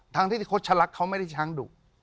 ทางที่ที่โคชลักษณ์เขาไม่ได้ช้างดุ